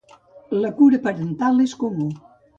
La cura parental és comú.